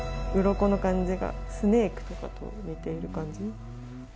うろこの感じがスネークに似ている感じ。